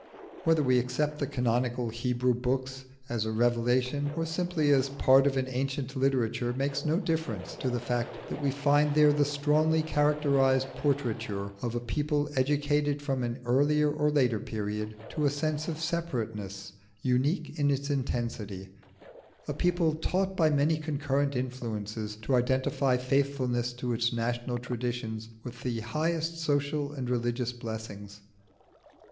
Whether we accept the canonical Hebrew books as a revelation or simply as part of an ancient literature, makes no difference to the fact that we find there the strongly characterised portraiture of a people educated from an earlier or later period to a sense of separateness unique in its intensity, a people taught by many concurrent influences to identify faithfulness to its national traditions with the highest social and religious blessings.